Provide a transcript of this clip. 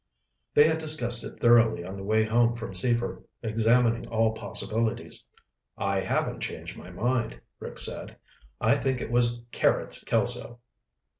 They had discussed it thoroughly on the way home from Seaford, examining all possibilities. "I haven't changed my mind," Rick said. "I think it was Carrots Kelso."